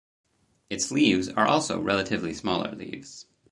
Its leaves are also relatively smaller leaves.